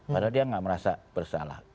padahal dia nggak merasa bersalah